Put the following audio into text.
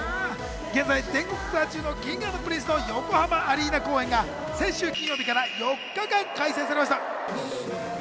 現在、全国ツアー中のＫｉｎｇ＆Ｐｒｉｎｃｅの横浜アリーナ公演が先週金曜日から４日間開催されました。